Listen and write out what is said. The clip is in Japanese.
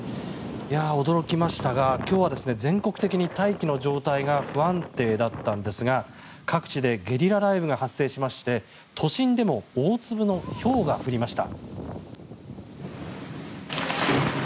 驚きましたが今日は全国的に大気の状態が不安定だったんですが各地でゲリラ雷雨が発生しまして都心でも大粒のひょうが降りました。